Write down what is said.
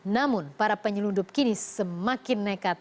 namun para penyelundup kini semakin nekat